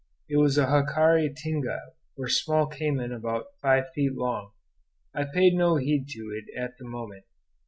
It was a jacare tinga or small cayman about five feet long. I paid no heed to it at the moment.